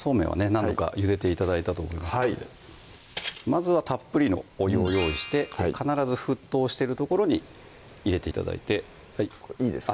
何度かゆでて頂いたと思いますのでまずはたっぷりのお湯を用意して必ず沸騰してるところに入れて頂いていいですか？